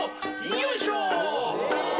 よいしょ。